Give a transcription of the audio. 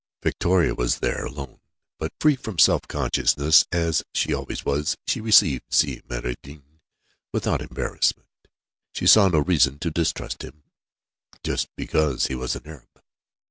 Victoria was there alone; but free from self consciousness as she always was, she received Si Maïeddine without embarrassment. She saw no reason to distrust him, just because he was an Arab.